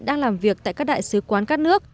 đang làm việc tại các đại sứ quán các nước